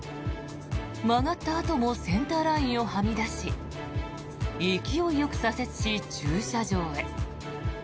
曲がったあともセンターラインをはみ出し勢いよく左折し、駐車場へ。